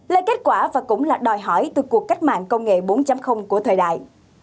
là kết quả và cũng là đòi hỏi từ cuộc cách mạng công nghệ bốn của thời đại